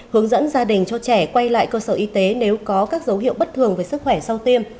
hướng dẫn gia đình cho trẻ quay lại cơ sở y tế nếu có các dấu hiệu bất thường về sức khỏe sau tiêm